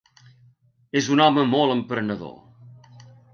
És un home molt emprenedor.